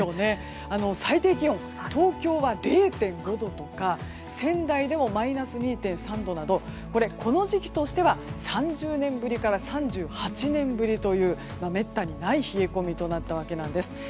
最低気温、東京は０．５度とか仙台でもマイナス２．３度などこの時期としては３０年ぶりから３８年ぶりというめったにない冷え込みとなったわけなんです。